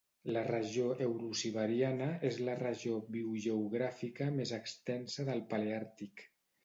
La regió eurosiberiana és la regió biogeogràfica més extensa del paleàrtic.